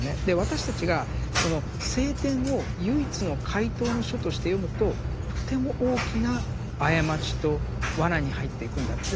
で私たちがその聖典を唯一の解答の書として読むととても大きな過ちと罠に入っていくんだ。